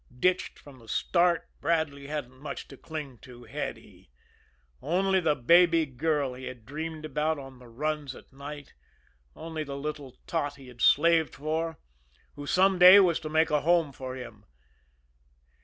Ditched from the start, Bradley hadn't much to cling to, had he only the baby girl he had dreamed about on the runs at night; only the little tot he had slaved for, who some day was to make a home for him?